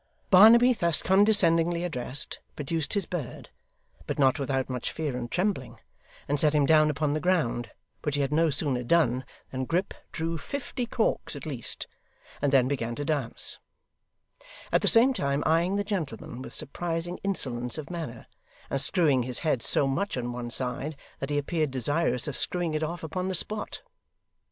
Barnaby, thus condescendingly addressed, produced his bird, but not without much fear and trembling, and set him down upon the ground; which he had no sooner done than Grip drew fifty corks at least, and then began to dance; at the same time eyeing the gentleman with surprising insolence of manner, and screwing his head so much on one side that he appeared desirous of screwing it off upon the spot.